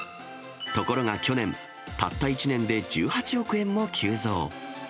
ところが去年、たった１年で１８億円の急増。